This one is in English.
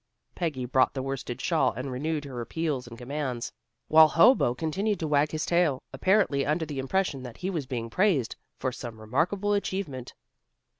Peggy brought the worsted shawl, and renewed her appeals and commands, while Hobo continued to wag his tail, apparently under the impression that he was being praised for some remarkable achievement.